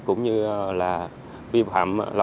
cũng như là vi phạm